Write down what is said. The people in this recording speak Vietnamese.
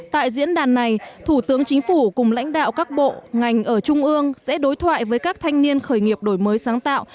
tại diễn đàn này thủ tướng chính phủ cùng lãnh đạo các bộ ngành ở trung ương sẽ đối thoại với các thanh niên khởi nghiệp đổi mới sáng tạo